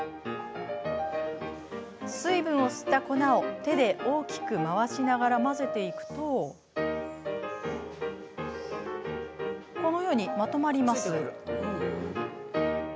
水分を吸った粉を手で大きく回しながら混ぜていくとこのように、まとまります。